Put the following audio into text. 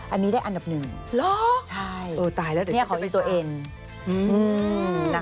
อันนี้ได้อันดับ๑นี่ของอีกตัวเอ็น